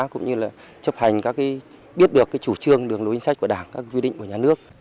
cũng như là chấp hành các biết được chủ trương đường lối xách của đảng các quy định của nhà nước